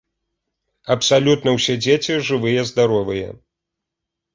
Абсалютна ўсе дзеці жывыя-здаровыя.